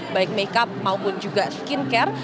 baik make up maupun juga skin care